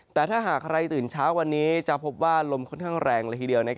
แต่ถ้าหากใครตื่นเช้าวันนี้จะพบว่าลมค่อนข้างแรงละทีเดียว